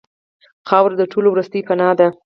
خاوره د ټولو وروستۍ پناه ده.